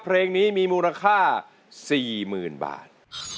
เพลงนี้มีมูลค่า๔๐๐๐บาท